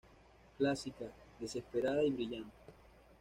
Clásica... Desesperada y brillante".